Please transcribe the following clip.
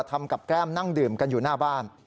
ทำกับแก้มนั่งดื่มกันอยู่หน้าบ้าน